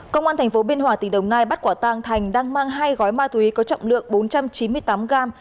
công an thành phố biên hòa tỉnh đồng nai bắt quả tàng thành đang mang hai gói ma túy có trọng lượng bốn trăm chín mươi tám gram